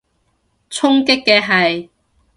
衝擊嘅係？